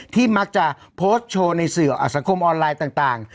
มักจะโพสต์โชว์ในสื่อสังคมออนไลน์ต่าง